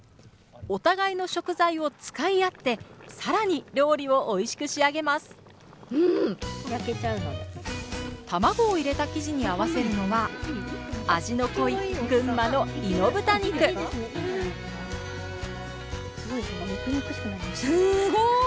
お互いの食材を使い合って更に料理をおいしく仕上げます卵を入れた生地に合わせるのは味の濃い群馬の猪豚肉すごい！